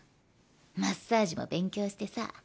マッサージも勉強してさ。